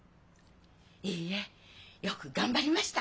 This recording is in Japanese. いいえよく頑張りました！